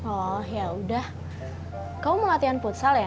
oh ya udah kamu mau latihan futsal ya